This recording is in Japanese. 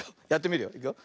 いくよ。